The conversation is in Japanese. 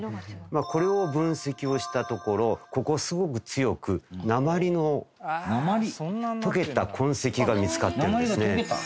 これを分析をしたところここすごく強く。が見つかっているんですね。